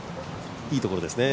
いいところですね。